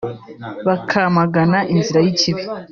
“bakamagana inzira y’ ikibi